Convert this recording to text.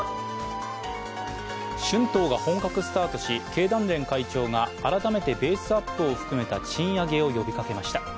春闘が本格スタートし経団連会長が改めてベースアップを含めた賃上げを呼びかけました。